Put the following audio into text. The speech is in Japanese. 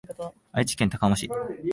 愛知県高浜市